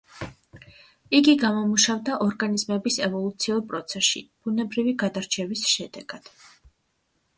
იგი გამომუშავდა ორგანიზმების ევოლუციურ პროცესში ბუნებრივი გადარჩევის შედეგად.